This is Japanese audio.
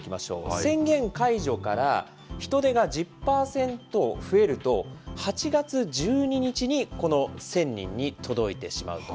宣言解除から人出が１０％増えると、８月１２日に、この１０００人に届いてしまうと。